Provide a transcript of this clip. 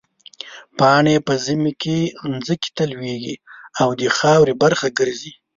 پاڼې په ژمي کې ځمکې ته لوېږي او د خاورې برخه ګرځي.